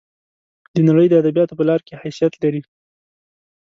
د نړۍ د ادبیاتو په لار کې حیثیت لري.